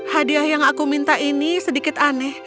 hadiah yang aku minta ini sedikit aneh